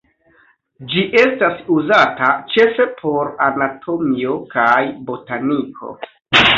Ĝi estas uzata ĉefe por anatomio kaj botaniko.